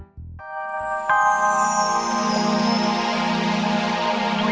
sampai jumpa lagi